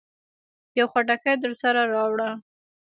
يو خټکی درسره راوړه.